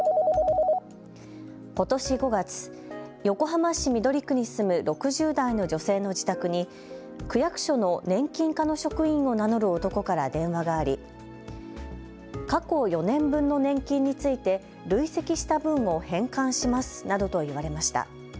ことし５月、横浜市緑区に住む６０代の女性の自宅に区役所の年金課の職員を名乗る男から電話があり過去４年分の年金について累積した分を返還しますなどと言われました。